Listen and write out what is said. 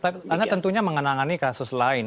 karena tentunya mengenangani kasus lain